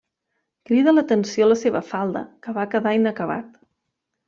Crida l'atenció la seva falda, que va quedar inacabat.